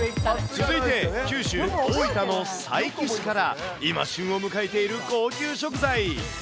続いて、九州・大分の佐伯市から、今旬を迎えている高級食材。